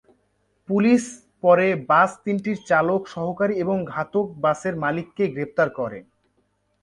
Police পরে bus তিনটির চালক, সহকারী এবং ঘাতক-বাসের মালিককে গ্রেপ্তার করে।